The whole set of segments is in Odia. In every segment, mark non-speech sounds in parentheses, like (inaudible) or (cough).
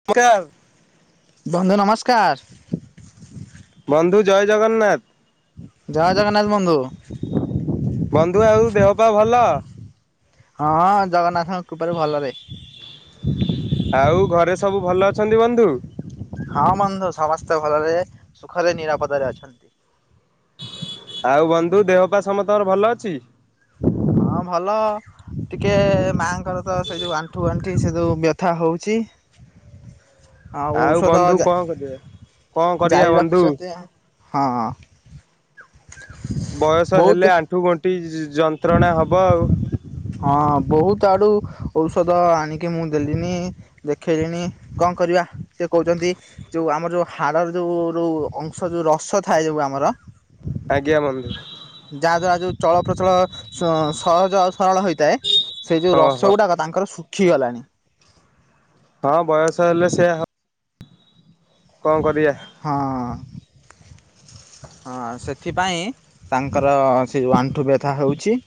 (inaudible) ବନ୍ଧୁ ନମସ୍କାର। ବନ୍ଧୁ ଜୟ ଜଗନ୍ନାଥ। ଜୟ ଜାଗନ୍ନାଥ ବନ୍ଧୁ। ବନ୍ଧୁ ଆଉ ଦେହ ପା ଭଲ? ହଁ ଜଗନ୍ନାଥଙ୍କ କୃପାରୁ ଭଲରେ। ଆଉ ଘରେ ସବୁ ଭଲ ଅଛନ୍ତି ବନ୍ଧୁ? ହଁ ବନ୍ଧୁ ସମସ୍ତେ ଭଲରେ, ସୁଖରେ, ନିରାପଦାରେ ଅଛନ୍ତି। ଆଉ ବନ୍ଧୁ ଦେହ ପା ସମସ୍ତଙ୍କର ଭଲ ଅଛି? ହଁ ଭଲ। ଟିକେ ମାଆଙ୍କର ତ ସେ ଯୋଉ ଆଣ୍ଠୁ ଗଣ୍ଠି ସେ ଯୋଉ ବ୍ୟଥା ହଉଛି। ଆଉ ଔଷଧ ବନ୍ଧୁ ଜା କଣ କରିବା? କଣ କରିବା ଜାରି ବନ୍ଧୁ ରଖିଛନ୍ତି ଆ ହଁ। ବୟସ ବହୁତ ହେଲେ ଆଣ୍ଠୁ ଗଣ୍ଠି ଯ-ଯନ୍ତ୍ରଣା ହବ ଆଉ। ହଁ ବହୁତ ଆଡୁ ଔଷଧ ଆଣିକି ମୁଁ ଦେଲିନି। ଦେଖେଇଲିଣି କଣ କରିବା, ସେ କହୁଚନ୍ତି ଯୋଉ ଆମର ଯୋଉ ହାଡରେ ଯୋଉ ଯୋଉ ଅଂଶ ଯୋଉ ରସ ଥାଏ ଯୋଉ ଆମର ଆଜ୍ଞା ବନ୍ଧୁ। ଯାହାଦ୍ବାରା ଯୋଉ ଚଳପ୍ରଚଳ ସ ସହଜ ଆଉ ସରଳ ହୋଇଥାଏ, ସେ ଯୋଉ ଓହୋ ରସଗୁଡ଼ାକ ତାଙ୍କର ଶୁଖିଗଲାଣି। ହଁ ବୟସ ହେଲେ ସେଇଆ ହ କଁ କରିଆ। ହଁ ହଁ ସେଥିପାଇଁ ତାଙ୍କର ସେ ଯୋଉ ଆଣ୍ଠୁ ବ୍ୟାଥା ହଉଛି।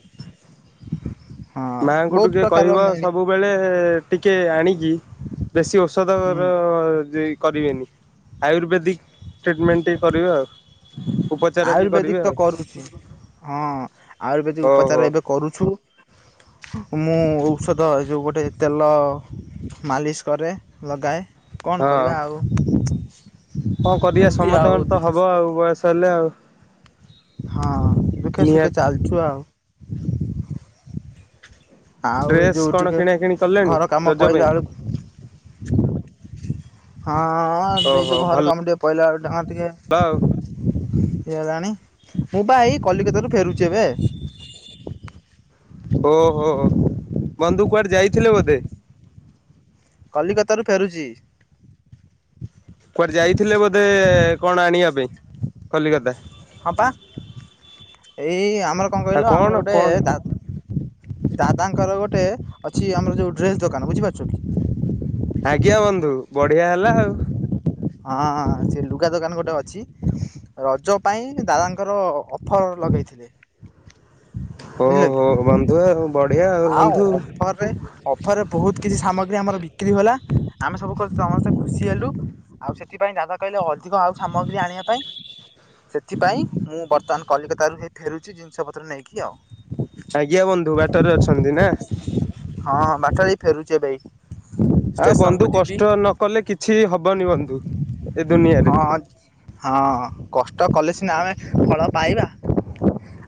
ହଁ ମାଆଙ୍କୁ ବହୁତ ଟିକେ ପ୍ରକାରର କହିବ ସବୁ ମେଡି ସବୁବେଳେ ଟିକେ ଆଣିକି ବେଶୀ ହୁଁ ଔଷଧର ଯେ କରିବେନି। ଆୟୁର୍ବେଦିକ୍ ଟ୍ରିଟମେଣ୍ଟ ଟିକେ କରିବେ ଆଉ। ଉପଚାର ଟିକେ କରିବେ ଆୟୁର୍ବେଦିକ ତ ଆଉ। କରୁଛି ହଁ ଆୟୁର୍ବେଦିକ ଓହୋ ଉପଚାର ଏବେ କରୁଛୁ। ମୁଁ ଔଷଧ ଏ ଯୋଉ ଗୋଟେ ତେଲ ମାଲିସ୍ କରେ। ଲଗାଏ କଣ ହଁ କରିବା ଆଉ କଣ କରିବା ଏମିତି ସମସ୍ତଙ୍କର ଆଉ ତ ଦୁଃଖେ ହବ ସୁଖେ ଆଉ ବୟସ ହେଲେ ଆଉ ହଁ ଦୁଃଖେ ସୁଖେ ନିହାତି ଚାଲିଚୁ ଆଉ। ଆଉ ଏ ଡ୍ରେସ ଯୋଉ କଣ ଟିକେ କିଣା କିିଣି କଲେଣି ଘର କାମ ରଜ ପଇଲା ପାଇଁ? ବେଳକୁ ହଁ ଏଇ ଓହୋ ଯୋଉ ଭଲ ଘର କାମ ଟିକେ ପଇଲା ବେଳୁ ହଁ ଟିକେ (unintelligible) କେଜାଣି ମୁଁ ବା ଏଇ କଲିକତା ରୁ ଫେରୁଚି ଏବେ। ଓହୋ ବନ୍ଧୁ କୁଆଡେ ଯାଇଥିଲେ ବୋଧେ? କଲିକତାରୁ ଫେରୁଚି। କୁଆଡେ ଯାଇଥିଲେ ବୋଧେ କଣ ଆଣିବା ପାଇଁ କଲିକତା? ହଁ ପା ଏଇ ଆମର କଣ ଆଉ କହିଲ ଆମର ଗୋଟେ କଣ ଦା ଦାଦାଙ୍କର ଗୋଟେ ଅଛି ଆମର ଯୋଉ ଡ୍ରେସ ଦୋକାନ ବୁଝିପାରୁଚ କି? ଆଜ୍ଞା ବନ୍ଧୁ ବଢିଆ ହେଲା ଆଉ। ଅଁ ସିଏ ଲୁଗା ଦୋକାନ ଗୋଟେ ଅଛି। ରଜ ପାଇଁ ଦାଦାଙ୍କର ଅଫର ଲଗେଇଥିଲେ। ବୁଝିଲ କି ଓହୋ ବନ୍ଧୁ ଆଉ ବଢିଆ ଆଉ ବନ୍ଧୁ ଅଫରରେ ଅଫରରେ ବହୁତ୍ କିଛି ସାମଗ୍ରୀ ଆମର ବିକ୍ରି ହେଲା ଆମେ ସବୁ କ ସମସ୍ତେ ଖୁସି ହେଲୁ। ଆଉ ସେଥିପାଇଁ ଦାଦା କହିଲେ ଅଧିକ ଆଉ ସାମଗ୍ରୀ ଆଣିବା ପାଇଁ ସେଥିପାଇଁ ମୁଁ ବର୍ତ୍ତମାନ କଲିକତାରୁ ହେଇ ଫେରୁଛି ଜିନିଷ ପତ୍ର ନେଇକି ଆଉ ଆଜ୍ଞା ବନ୍ଧୁ ବାଟରେ ଅଛନ୍ତି ନା ହଁ ବାଟରେ ଏଇ ଫେରୁଛି ଏବେ ଏଇ ଆଉ ଷ୍ଟେସନକୁ ବନ୍ଧୁ ଯିବି କଷ୍ଟ ନକଲେ କିଛି ହବନି ବନ୍ଧୁ ଏ ଦୁନିଆରେ ହଁ ହଁ କଷ୍ଟ କଲେ ସିନା ଆମେ ଫଳ ପାଇବା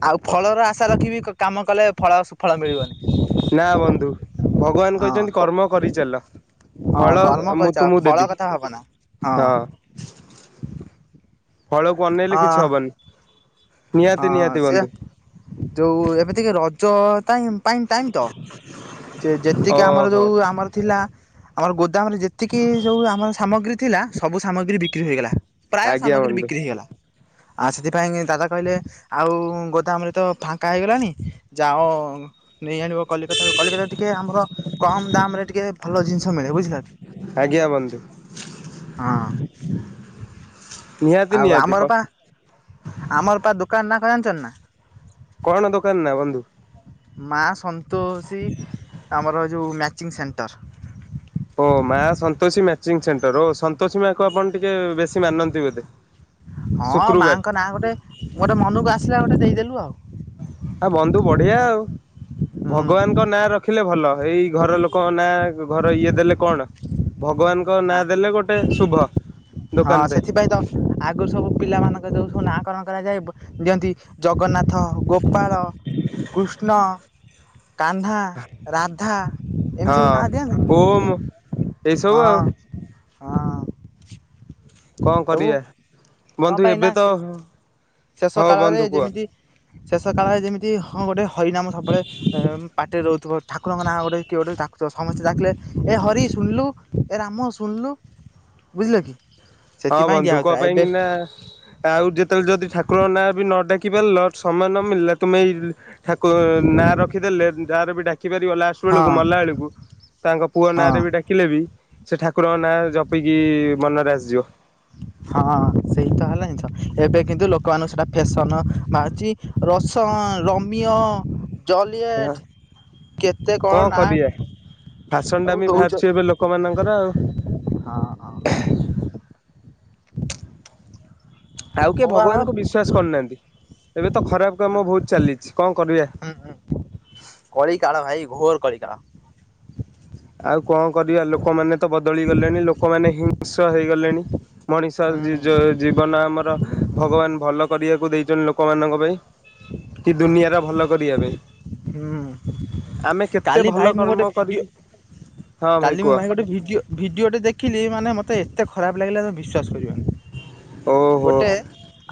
ଆଉ ଫଳର ଆଶା ରଖିବି କାମ କଲେ ଫଳ ଫଳ ମିଳିବନି। ନା ବନ୍ଧୁ ଭଗବାନ ହଁ କହିଛନ୍ତି କ କର୍ମ କରିଚାଲ। ହଁ ଫଳ କର୍ମ ମୁଁ କରିଚାଲ ତୁମକୁ ଫଳ ଦେବି କଥା ଭାବନା ହଁ। ଫଳକୁ ଅନେଇଲେ ହଁ କିଛି ହବନି। ନିହାତି ହଁ ନିହାତି ସୀଏ ବନ୍ଧୁ ଯେଉ ଏବେ ଟିକେ ରଜ ଟାଇଁ ପାଇଁ ଟାଇମ୍ ତ ସେ ଯେତିକି ଆମର ଓହୋ। ଯୋଉ ଆମର ଥିଲା। ଆମର ଗୋଦାମରେ ଯେତିକି ଯୋଉ ଆମର ସାମଗ୍ରୀ ଥିଲା ସବୁ ସାମଗ୍ରୀ ବିକ୍ରି ହୋଇଗଲା। ପ୍ରାୟ ଆଜ୍ଞା ସାମଗ୍ରୀ ବନ୍ଧୁ ବିକ୍ରି ହେଇଗଲା। ଆଉ ସେଥିପାଇଁ ଦାଦା କହିଲେ ଆଉ ଗୋଦାମରେ ତ ଫାଙ୍କା ହେଇଗଲାଣିି ଯାଅ ନେଇ ଆଣିବ କଲିକତା ରୁ କଲିକତାରୁ ଟିକେ ଆମର କମ୍ ଦାମ୍ ରେ ଟିକେ ଭଲ ଜିନିଷ ମିଳେ ବୁଝିଲ କି ଆଜ୍ଞା ବନ୍ଧୁ ହଁ ହ (inaudible) ଆଉ ଆମର ପା ଆମର ପା ଦୋକାନ ନା କ ଜାଣିଛନ ନା। କଣ ଦୋକାନ ନା ବନ୍ଧୁ। ମା ସନ୍ତୋଷୀ ଆମର ଯଉ ମ୍ୟାଚିଂ ସେଣ୍ଟର୍ ଓ ମା ସନ୍ତୋଷୀ ମ୍ୟାଚିଗଂ ସେଣ୍ଟର ଓ ସନ୍ତୋଷୀ ମାଁ କୁ ଆପଣ ଟିକେ ବେଶୀ ମାନନ୍ତି ବୋଧେ। ହଁ ଶୁକ୍ରବାର ମାଙ୍କ ନାଁ ଗୋଟେ ଗୋଟେ ମନକୁ ଆସିଲା ଗୋଟେ ଦେଇଦେଲୁ ଆଉ। ଆ ବନ୍ଧୁ ବଢିଆ ଆଉ। ହୁଁ ଭଗବାନଙ୍କ ନାଁ ରଖିଲେ ଭଲ। ଏଇ ଘର ଲୋକଙ୍କ ନାଁ ଘର ଇଏ ଦେଲେ କଣ। ଭଗବାନଙ୍କ ନା ନାଁ ଦେଲେ ଗୋଟେ ଶୁଭ ହଁ ଦୋକାନ ରେ। ସେଥିପାଇଁ ତ ଆଗରୁ ସବୁ ପିଲା ମାନଙ୍କ ଯୋଉ ସବୁନାକରଣ କରାଯାଏ ଦିଅନ୍ତି। ଜଗନ୍ନାଥ, ଗୋପାଳ, କୃଷ୍ଣ। କାହ୍ନା, ରାଧା, ହଁ ଏମିତି ସବୁ ନାଁ ଦିଅନ୍ତି ଓମ୍ ଏଇସବୁ ଆଉ ନି। ହଁ। କଣ ସବୁ କରିବା କ ବନ୍ଧୁ ପାଇଁ ନା ଏବେ ତ ଶେଷ ହଉ କାଳରେ ବନ୍ଧୁ କୁହ ଯେମିତି ଶେଷ କାଳରେ ଯେମିତି ହଁ ଗୋଟେ ହରିନାମ ସବୁବେଳେ ପାଟିରେ ଦଉଥିବା। ଠାକୁରଙ୍କ ନାଁ ଗୋଟେ କିଏ ଗୋଟେ ଡାକୁଥିବ ସମସ୍ତେ ଡକିଲେ ଏ ହରି ଶୁଣିଲୁ। ଏ ରାମ ଶୁଣିଲୁ। ବୁଝିଲ କି। ହଁ ସେଥିପାଇଁ ଦିଆ ବନ୍ଧୁ କ ହଉଥିଲା ପାଇଁ ଏବେ କିନା ଆଉ ଯେତେବେଳେ ଯଦି ଠାକୁରଙ୍କ ନାଁ ବି ନ ଡାକି ପାରିଲ ସମୟ ନ ମିଳିଲେ ତୁମେ ଏଇ ଠାକୁର ନାଁ ରଖିଦେଲେ ଯାହାର ବି ଡାକ। ଦେଖି ପାରିବ ଲାଷ୍ଟ ହଁ ବେଳକୁ ମଲା ବେଳକୁ ତାଙ୍କ ପୁଅ ହଁ ନାଁରେ ବି ଡାକି ଡାକିଲେବି ବି ସେ ଠାକୁରଙ୍କ ନାଁ ଜପିକି ମନରେ ଆସିଯିବ। ହଁ ସେଇ ତ ହେଲା ଜିନିଷ ଏବେ କିନ୍ତୁ ଲୋକମାନଙ୍କୁ ସେଇଟା ଫ୍ୟାସନ ବାହାରୁଛି। ରସନ, ରମିୟ। ହଁ ଜଲିଏଟେ କେତେ କଣ ନା ଫାସନ ସବୁ ଡାମି ବାହାରୁଛି ଏବେ ଦଉଛନ୍ତି। ଲୋକମାନଙ୍କର ଆଉ। ହଁ ହଁ। ଆଉ କିଏ ମୁଁ ବା ଭଗବାନଙ୍କୁ ବିଶ୍ଵାସ କରୁନାହାଁନ୍ତି। ଏବେ ତ ଖରାପ କାମ ବହୁତୁ ଚାଲିଛି କଁ କରିବା। ହୁଁ ହୁଁ। କଳି କାଳ ଭାଇ ଘୋର କଳି କାଳ। ଆଉ କଁ କରିବା ଲୋକମାନେ ତ ବଦଳି ଗଲେଣି ଲୋକମାନେ ହିଂସ ହେଇଗଲେଣି। ମଣିଷ ଜିଜ ହୁଁ। ଜୀବନ ଆମର ଭଗବାନ ଭଲ କରିବାକୁ ଦେଇଛନ୍ତି ଲୋକମାନଙ୍କ ପାଇଁ। କି ଦୁନିଆର ଭଲ କରିବା ରେ। ହୁଁ ଆମେ କେତେ କାଲି ଭାଇ ଭଲ ମୁଁ ଗୋଟେ କର୍ମ ଭିଡିଓ କରିକି। ହଁ କାଲି ମୁଁ କୁହ ଭାଇ ଗୋଟେ ଭିଡିଓ ଭିଡିଓ ଟେ ଦେଖିଲି ମାନେ ମତେ ଏତେ ଖରାପ ଲାଗିଲାଯେ ବିସ୍ୱାଶ କରିବନି। ଓହୋ ଗୋଟେ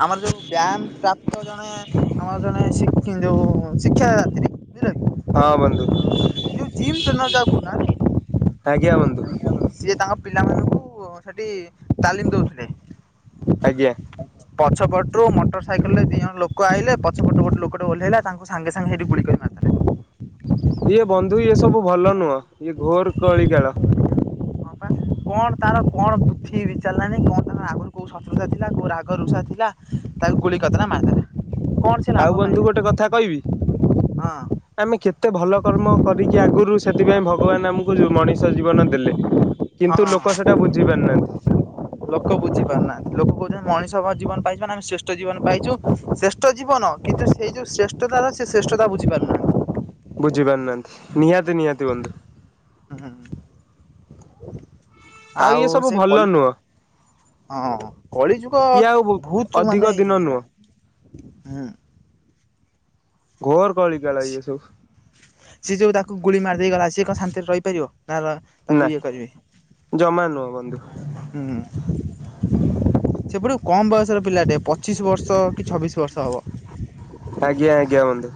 ଆମର ଯୋଉ ବ୍ୟାୟାମ ପ୍ରାପ୍ତ ଜଣେ ଆମର ଜଣେ ସି ଯୋଉ ଶିକ୍ଷାଯାତ୍ରି ବୁଝିଲ କି। ହଁ ବନ୍ଧୁ। ଏ ଯୋଉ ଜିମ୍ ଟ୍ରେନର ଯାହାକୁ କରୁନାହାଁନ୍ତି। ଆଜ୍ଞା ବନ୍ଧୁ। ସିଏ ତାଙ୍କ ପିଲା ମଙ୍କୁ ସେଠି ତାଲିମି ଦେଉଥିଲେ। ଆଜ୍ଞା। ପଛପଟରୁ ମୋଟର ସାଇକେଲ ରେ ଦି ଜଣ ଲୋକ ଆଇଲେ ପଛଟୁ ଗୋଟ ଲୋକଟେ ଓହ୍ଲାଇଲା ତାଙ୍କୁ। ସାଙ୍ଗେ ସାଙ୍ଗେ ସେଇଠି ଗୁଳ କରି ମାରିଦେଲେ।। ଇଏ ବନ୍ଧୁ ଇଏ ସବୁ ଭଲ ନୁହେଁ ଇଏ ଘୋର କଳିିକାଳ। ହଁ ପା କଣ ତାର କଣ ବୃଦ୍ଧି ବିଚାରିଲାଣି କଣ ତାର ଆଗରୁ କୋଉ ଶତ୍ରୁତା ଥିଲା କୋଉ ରାଗ ରୁଷା ଥିଲା। ତାଙ୍କୁ ଗୁଳିି କରିଦେଲା ମାରିଦେଲେ କଣ ସେ। ଲାଭ ଆଉ ବନ୍ଧୁ ପାଇଲା ଗୋଟେ ହଁ। କଥା କହିବି। ଆମେ କେତେ ଭଲ କର୍ମ କରିକି ଆଗରୁ ସେଥିପାଇଁ ଭଗବାନ ଆମକୁ ମଣିଷ ଜୀବନ ଦେଲେ। ହଁ। କିନ୍ତୁ ଲୋକ ସେଟା ବୁଝି ପାରୁନାହାନ୍ତି। ଲୋକେ ବୁଝିପାରୁନାହାନ୍ତି ଲୋକ କହୁଛନ୍ତି। ମଣିଷ କ ଜୀବନ ପାଇଛୁ ଆମେ ଶ୍ରେଷ୍ଠ ଜୀବନ ପାଇଛୁ ଶ୍ରେଷ୍ ଶେଷ୍ଠ ଜୀବନ କିନ୍ତୁ ସେଇ ଯେଉଁ ଶ୍ରେଷ୍ଠତାର ସେ ଶ୍ରେଷ୍ଠ ତା ବୁଝିାପାରୁନାହାନ୍ତି। ବୁଝି ପାରୁନାହାନ୍ତି ନିହାତି ନିହାତି ବନ୍ଧୁ। ହୁଁ। ଆଉ ଇଏ ସବୁ ସେଇ ଭଲ କଲି। ନୁହଁ ହଁ କଳି ଯୁଗ ଇଏ ଆଉ ବହୁତ ଅଧିକ ମାନେ ଦିନ ଇଏ ନୁହଁ ହେଲାଣି ହୁଁ। ଘୋର କଳିକାଳ ଇଏ ସବୁ। ସିଏ ଯୋଉ ତାକୁ ଗୁଳି ମାରି ଦେଇ ଗଲା ସିଏ କଁ ଶାନ୍ତିରେ ରହିପାରିବ ତାର ନା ଜମା ନୁହଁ ବନ୍ଧୁ। ହୁଁ। ସେ ପୁଣି କମ ବୟସର ପିଲା ଟେ ପଚିଶ ବର୍ଷ କି ଛବିଶ ବର୍ଷ ହବ। ଆଜ୍ଞା ଆଜ୍ଞା ବନ୍ଧୁ।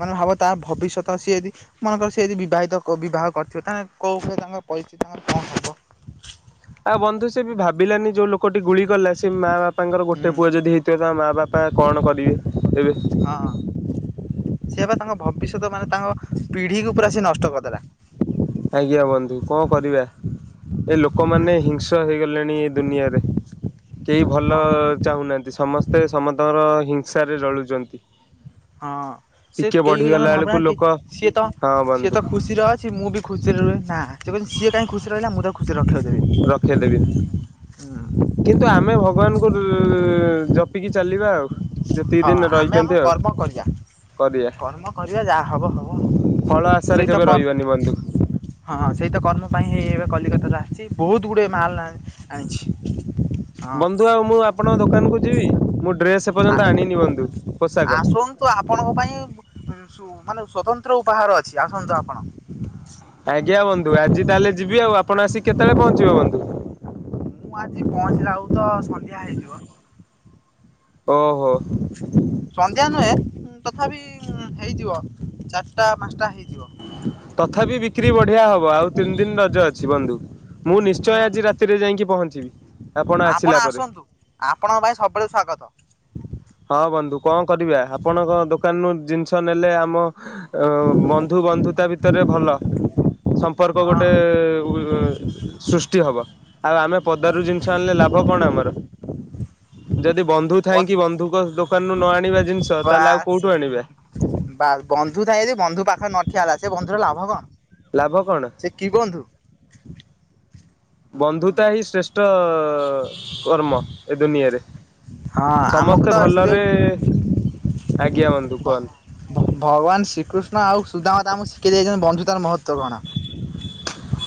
ମାନେ ଭାବ ତା ଭବିଷ୍ୟତ ସିଏ ଯଦି। ଭାବ ସେ ଯଦି ବିବାହିତ ବିବାହ କରିଥିବ ତାଙ୍କ କୋଉଭଳି ତାଙ୍କର ପରିସ୍ଥିତି ତାଙ୍କର କଣ ହବ? ଆଉ ବନ୍ଧୁ ସେ ବି ଭାବିଲାନି ଯୋଉ ଲୋକଟି ଗୁଳି। କଲା ସେ ମା ବାପା ଙ୍କର ହୁଁ ଗୋଟେ ପୁଅ ଯଦି ହେଇଥିବ ତାଙ୍କ ମା ବାପା କଣ କରିବେ ଏବେ? ହଁ। ସିଏ ବା ତାଙ୍କ ଭବିଷ୍ୟତ ମାନେ ତାଙ୍କ ପିଢିକୁ ପୁରା ସେ ନଷ୍ଟ କରିଦେଲା। ଆଜ୍ଞା ବନ୍ଧୁ କଁ କରିବା ଏ ହୁଁ ଲୋକମାନେ ହୁଁ ହିଂସ୍ର ହେଇଗଲେଣି ଏ ଦୁନିଆରେ। କେହି ହଁ ଭଲ ବା। ଚାହୁଁନାହାନ୍ତି ସମସ୍ତେ ସମସ୍ତଙ୍କର ହିଂସାରେ ଜଳୁଛନ୍ତି। ହଁ ସେ ଟିକେ କେହି ବି ଜଣେ ବଢିଗଲା ବେଳକୁ ଭାବୁନାହାନ୍ତି ଲୋକ ସିଏ ତ ହଁ ସିଏ ବନ୍ଧୁ ତ ଖୁସିରେ ଅଛି। ସେ ବି ମୁଁ ଖୁସିରେ ରୁହେନି ନାଁ ସିଏ କାଇଁ ଖୁସିରେ ରହିଲା ମୁଁ ତାକୁ ଖୁସିରେ ରଖେଇ ଦେବିନି। ରଖେଇ ଦେବିନି। ହୁଁ। କିନ୍ତୁ ଆମେ ଭଗବାନଙ୍କୁ ଉଁ ଜପିକି ଚାଲିବା ଆଉ। ଯେତିକି ହଁ ଦିନ ଆମେ ରହିଛନ୍ତି ଆମର ଆଉ କର୍ମ କରିବା। କରିବା କର୍ମ କରିବା ଯାହା ହବ ହବ ଫଳ ଆଶାରେ ସେଇ ତ କେବେ କ ରହିବାନି ବନ୍ଧୁ। ହଁ, ସେଇ ତ କର୍ମ ପାଇଁ ହେଇ ଏବେ କଲିକତାରୁ ଆସିଛି ବହୁତ ଗୁଡ଼ିଏ ମାଲ ଆଣିଛି। ହଁ। ବନ୍ଧୁ ଆଉ ମୁଁ ଆପଣଙ୍କ ଦୋକାନ କୁ ଯିବି ମୁଁ ଡ୍ରେସ ଏପର୍ଯ୍ୟନ୍ତ ଆଣିନି ବନ୍ଧୁ ପୋଷାକ। ତ ଆପଣଙ୍କ ପାଇଁ ମାନେ ସ୍ଵତନ୍ତ୍ର ଉପହାର ଅଛି ଆସନ୍ତୁ ଆପଣ। ଆଜ୍ଞା, ବନ୍ଧୁ ଆଜି ତାହେଲେ ଯିବି ଆଉ ଆପଣ ଆସିିକି କେତେବେଳେ ପହଞ୍ଚିବ ବନ୍ଧୁ? ମୁଁ ଆଜି ପହଞ୍ଚିଲା ବେଳକୁ ତ ସନ୍ଧ୍ୟା ହେଇଯିବ। ଓହୋ। ସନ୍ଧ୍ୟା ନୁହେଁ ତଥାପି ହେଇଯିବ ଚାରିଟା ପାଞ୍ଚଟା ହେଇଯିବ। ତଥାପି ବିକ୍ରି ବଢିଆ ହବ ଆଉ ତିନି ଦିନି ରଜ ଅଛି ବନ୍ଧୁ। ମୁଁ ହୁଁ ନିଶ୍ଚୟ ଆଜି ରାତିରେ ଯାଇକି ପହଞ୍ଚିବି। ଆସିଲା ଆପଣ ପରେ। ଆସନ୍ତୁ ଆପଣଙ୍କ ପାଇଁ ସବୁବେଳେ ସ୍ଵାଗତ। ହଁ ବନ୍ଧୁ କଣ କରିବା ଆପଣଙ୍କ ଦୋକାନରୁ ଜିନିଷ ନେଲେ ଆମ ଅ ବନ୍ଧୁ ବନ୍ଧୁତା ଭିତରେ ଭଲ। ସମ୍ପର୍କ ଗୋଟେ ହଁ ଉ ସୃଷ୍ଟି ହବ ଆଉ ଆମେ ପଦାରୁ ଜିନିଷ ଆଣିଲେ ଲାଭ କଣ ଆମର। ଯଦି ବନ୍ଧୁ ଥାଇକି ବ- ବନ୍ଧୁଙ୍କ ଦୋକାନରୁୁ ନ ଆଣିବା ଜିନିଷ ତାହେଲେ ଆଉ ବାସ୍ କୋଉଠୁ ଆଣିବା? ବା ବନ୍ଧୁ ଥାଏ ଯଦି ବନ୍ଧୁ ପାଖରେ ନ ଠିଆ ହେଲା ସେ ବନ୍ଧୁର ଲାଭ କଣ। ଲାଭ କଣ? ସେ କି ବନ୍ଧୁ ବନ୍ଧୁତା ହିଁ ଶ୍ରେଷ୍ଠ କର୍ମ ଏ ଦୁନିଆରେ। ହଁ ଆମକୁ ସମସ୍ତେ ତ ସେ ଯୋଉ ଭଲରେ ଆଜ୍ଞା ବନ୍ଧୁ ଭ- କୁହନ୍ତୁ। ଭଗବାନ ଶ୍ରୀକୃଷ୍ଣ ଆଉ ସୁଦାମା ତ ଆମକୁ ଶିଖେଇ ଦେଇଛନ୍ତି ବନ୍ଧୁ ତାର ମହତ୍ୱ କଣ?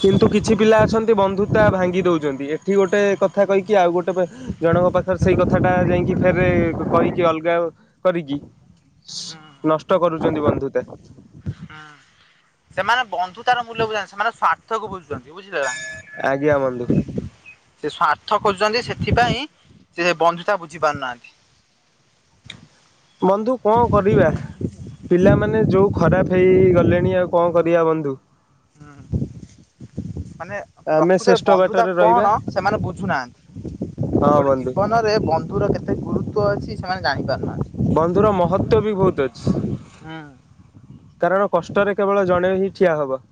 କିନ୍ତୁ କିଛି ପିଲା ଅଛନ୍ତି ବନ୍ଧୁତା ଭାଙ୍ଗି ଦଉଛନ୍ତି ଏଠି ଗୋଟେ କଥା କହିକି ଆଉ ଗୋଟେ ଜଣଙ୍କ ପାଖରେ ସେଇ କଥା ଟା ହୁଁ, ହୁଁ। ଯାଇକି ଫେରେ କହିକି ଅଲଗା କରିକି ନଷ୍ଟ କରୁଛନ୍ତି ବନ୍ଧୁ ତା। ହୁଁ। ସେମାନେ ବନ୍ଧୁତାର ମୂଲ୍ୟ ବୁଝାନ୍ତି ସେମାନେ ସ୍ଵାର୍ଥକୁ ବୁଝୁଛନ୍ତି ବୁଝିଲ ନା? ଆଜ୍ଞା ବନ୍ଧୁ। ସେ ସ୍ଵାର୍ଥ ଖୋଜୁଛନ୍ତି ସେଥିପାଇଁ ସେ ବନ୍ଧୁତା ବୁଝି ପାରୁନାହାନ୍ତି। ବନ୍ଧୁ କଣ କରିବା? ପିଲାମାନେ ଯୋଉ ଖରାପ ହେଇଗଲେଣି ଆଉ କଣ କରିବା ବନ୍ଧୁ? ହୁଁ। ମାନେ ଆମେ ପ୍ରକୃତରେ ଶ୍ରେଷ୍ଠ ବନ୍ଧୁତା ବାଟରେ ରହିବା କଣ ସେମାନେ ବୁଝୁନାହାନ୍ତି। ହଁ ଗୋଟେ ବନ୍ଧୁ। ଜୀବନରେ ବନ୍ଧୁର କେତେ ଗୁରୁତ୍ଵ ଅଛି ସେମାନେ ଜାଣି ପାରୁନାହାନ୍ତି। ବନ୍ଧୁର ମହତ୍ତ୍ଵ ବି ବହୁତ ଅଛି। ହୁଁ କାରଣ କଷ୍ଟରେ କେବଳ ଜଣେ ହିଁ ଠିଆ ହବ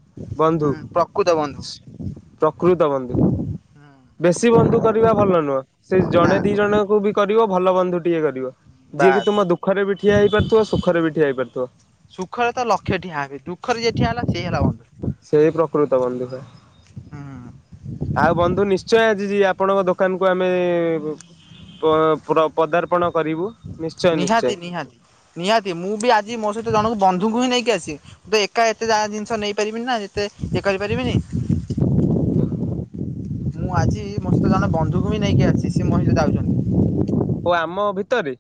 ହୁଁ ବନ୍ଧୁ। ପ୍ରକୃତ ପ୍ରକୃତ ବନ୍ଧୁ। ହୁଁ। ବେଶୀ ବନ୍ଧୁ କରିବା ଭଲ ନୁହଁ ସେ ନା ଜଣେ ଦି ଜଣଙ୍କୁ ବି କରିବ ଭଲ ବନ୍ଧୁ ଟିଏ କରିବ। ଯିଏକି ବାସ୍ ତମ ଦୁଃଖରେ ବି ଠିଆ ହେଇପାରୁଥିବ ସୁଖରେ ବି ଠିଆ ହେଇ ପାରୁଥିବ। ସୁଖ ତ ଲକ୍ଷେଠିଆ ହେବେ ଦୁଃଖରେ ଯିଏ ଠିଆ ହେଲା ସେ ହେଲା ବ ସେଇ ପ୍ରକୃତ ବନ୍ଧୁ ହୁଏ। ହୁଁ। ଆଉ ବନ୍ଧୁ ନିଶ୍ଚୟେ ଆଜି ଯି ଆପଣଙ୍କ ଦୋକାନ୍ କୁ ଆମେ ପ ପ୍ର ପ୍ରଦାରର୍ପଣ କରିବୁ। ନିଶ୍ଚୟ ନିଶ୍ଚୟ। ନିହାତି ନିହାତି ନିହାତି ମୁଁ ବି ଆଜି ମୋ ସହିତ ଜଣ ବନ୍ଧୁଙ୍କୁ ହିଁ ନେଇକି ଆସି ତ ଏକା ଏତେ ଯାହା ଜିନ୍ଷ ନେଇ ପାରିବିନି ନା ଯେତେ ଇଏ କରିପାରିବିନି। (inaudible) ମୁଁ ଆଜି ମୋ ସହିତ ଜଣେ ବନ୍ଧୁକୁ ବି ନେଇକି ଆସ୍ଛି ସିଏ ମୋରି ସହିତ ଆଉଚନ୍ତି। ଓ ଆମ ଭିତରେ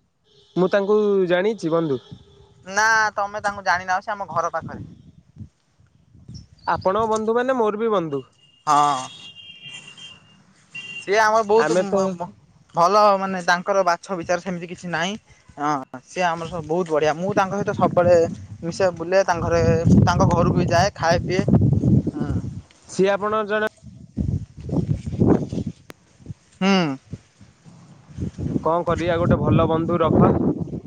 ମୁଁ ତାଙ୍କୁ ଜାଣିଛି ବନ୍ଧୁ। ନା ତମେ ତାଙ୍କୁ ଜାଣିନାହଁ ସେ ଆମ ଘର ପାଖରେ। ଆପଣଙ୍କ ବନ୍ଧୁ ମାନେ ମୋର ବି ବନ୍ଧୁ। ହଁ। ସେ ଆମର ବହୁତୁ ଆମେ ତ ମ ମ ଭଲ ମାନେ ତାଙ୍କର ବାଛ ବିଚାର ସେମ୍ତି କିଛି ନାଇଁ। ହଁ ସେ ଆମ ସହ ବହୁତ୍ ବଢିଆ ମୁଁ ତାଙ୍କ ସହିତ ସବୁବେଳେ ମିଶେ ବୁଲେ ତାଙ୍କ ଘରେ ତାଙ୍କ ଘରକୁ ବି ଯାଏ ଖାଏ ପିଏ। ହୁଁ। ସିଏ ଆପଣଙ୍କ ଜଣେ ହୁଁ। ଙ୍କ କରିବା ଗୋଟେ ଭଲ ବନ୍ଧୁ ରଖ।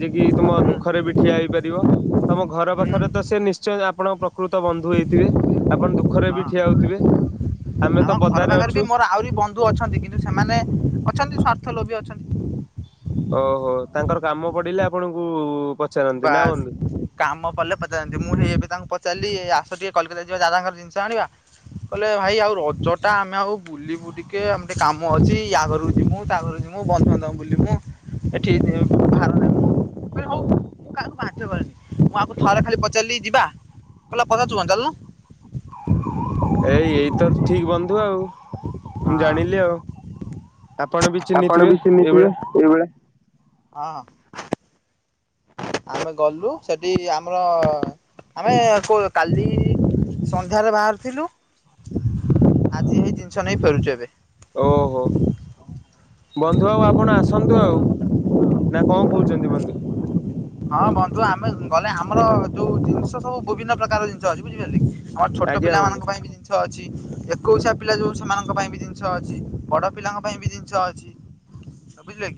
ଯେ କି ତୁମ ଦୁଃଖରେ ବି ଠିଆ ହେଇପାରିବ ତମ ଘର ହଁ। ପାଖରେ ତ ସେ ନିଶ୍ଚୟ ଆପଣଙ୍କ ପ୍ର କୃତ ବନ୍ଧୁ ହେଇଥିବେ ଆପଣ୍ ଦୁଃଖରେ ବି ଠିଆ ହଉଥିବେ ଆମେ ଆମ ତ ବ ଘର ପାଖରେ ବି ମୋର ଆହୁରି ବନ୍ଧୁ ଅଛନ୍ତି କିନ୍ତୁ ସେମାନେ ଅଛନ୍ତି ସ୍ୱର୍ଥ ଲୋଭି ଅଛନ୍ତି। ଓହୋ ତାଙ୍କର କାମ ପଡିଲେ ଆପଣଙ୍କୁ ପ ବାସ୍। କାମ ପଡ୍ଲେ ପଚାରନ୍ତି ମୁଁ ହେଇ ଏବେ ତାଙ୍କୁ ପଚାର୍ଲି ଆସ ଟିକେ କଲିକତା ଯିବା ଦାଦାଙ୍କର ଜିନ୍ଷ ଆଣିବା। କହିଲେ ଭାଇ ଆଉ ରଜ ଟା ଆମେ ଆଉ ବୁଲିବୁ ଟିକେ ଆମେ ଟିକେ କାମ୍ ମ ଅଛି ୟା ଘରକୁ ଯିମୁ ତା ଘରୁ ଯିମୁ ବନ୍ଧୁବାନ୍ଧବ ବୁଲିମୁ ଏଠି ଭାର ନେବୁ ମୁ କହିଲି ହଉ ମୁଁ କାହାକୁ ବାଧ୍ୟ୍ୟ କରେନି ମୁଁ ୟାକୁ ଥରେ ଖାଲି ପଚାର୍ଲି ଯିବା କହିଲା ପଚାରୁଛୁ କଣ ଚାଲୁନୁ। ଏଇ ଏଇତ ଠିକ୍ ବନ୍ଧୁ ଆଉ। ହଁ। ମୁଁ ଜାଣିଲି ଆଉ ଆପଣ ବି ଚିହ୍ନିଥିବେ ଏଇଭଳିଆ। ଏଇଭଲିଆ। ହଁ। ଆମେ ଗଲୁ ସେଠି ଆମର ଆମେ କଉ କାଲି ସନ୍ଧ୍ୟାରେ ବାହାର୍ଥିଲୁ ଆଜି ହେଇ ଜିନ୍ଷ ନେଇ ଫେରୁଛୁ ଏବେ। ଓହୋ। ବନ୍ଧୁ ଆଉ ଆପଣ ଆସନ୍ତୁ ଆଉ ନା ଙ୍କ କହୁଛନ୍ତି ବନ୍ଧୁ? ହଁ ବନ୍ଧୁ ଆମେ ଗଲେ ଆମର ଯୋଉ ଜିନ୍ଷ ସବୁ ବଭିନ୍ନ ପ୍ରକାର ଜିନ୍ଷ ଅଛି ବୁଝିପାଇଲେ? ହଁ ଛୋଟ ଆଜ୍ଞା ପିଲାମାନଙ୍କ ବନ୍ଧୁ। ପାଇଁ ବି ଜି ନ୍ଷ ଅଛି ଏକୋଇଶିଆ ପିଲା ଯୋଉ ସେମାନଙ୍କ ପାଇଁ ବି ଜିନ୍ଷ ଅଛି ବଡ ପିଲାଙ୍କ ପାଇଁ ବି ଜିନ୍ଷ ଅଛି। ଅ ବୁଝିଲେବାକି?